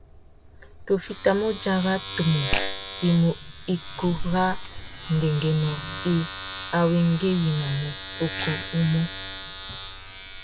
Tu fitimú udzara tumu i mú ikú râ ngüéngüinô i awéngüéwinamú ukú umô.